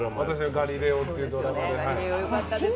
「ガリレオ」っていうドラマで。